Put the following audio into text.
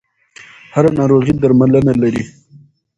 هره ناروغي درملنه لري.